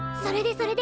それで？